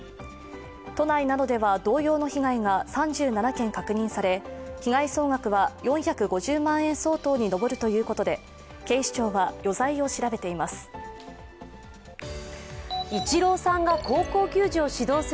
都内などでは同様の被害が３７件確認され、被害総額は４５０万円相当に上るということで、警視庁は余罪を調べています。